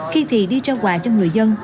khi thì đi trao quà cho người dân